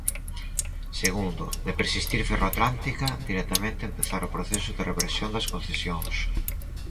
Segundo: de persistir Ferroatlántica, directamente empezar o proceso de reversión das concesións.